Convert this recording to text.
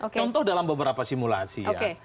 contoh dalam beberapa simulasi ya